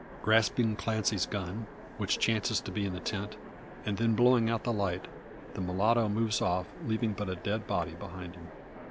Grasping Clancy's gun, which chances to be in the tent, and then blowing out the light, the mulatto moves off, leaving but a dead body behind him.